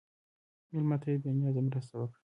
مېلمه ته بې نیازه مرسته وکړه.